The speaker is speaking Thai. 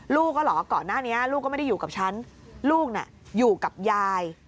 ลูกก็เหรอก่อนหน้านี้ลูกก็ไม่ได้อยู่กับฉันลูกน่ะอยู่กับยาย